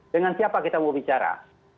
dengan siapa kita mau bicara